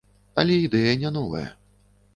Але ідэя не новая.